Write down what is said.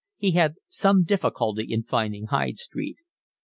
He had some difficulty in finding Hyde Street.